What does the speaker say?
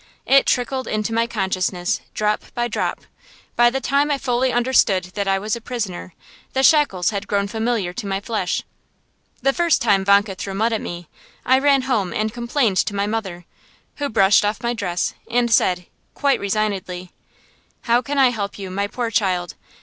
It trickled into my consciousness drop by drop. By the time I fully understood that I was a prisoner, the shackles had grown familiar to my flesh. The first time Vanka threw mud at me, I ran home and complained to my mother, who brushed off my dress and said, quite resignedly, "How can I help you, my poor child?